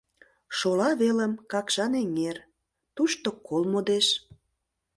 Шола велым — Какшан эҥер, тушто кол модеш.